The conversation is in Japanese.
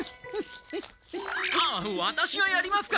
ああワタシがやりますから！